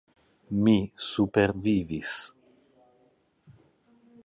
Mi supervivis.